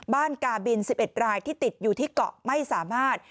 กาบิน๑๑รายที่ติดอยู่ที่เกาะไม่สามารถ